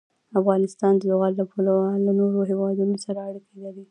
افغانستان د زغال له پلوه له نورو هېوادونو سره اړیکې لري.